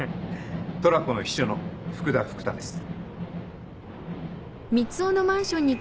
トラコの秘書の福田福多です。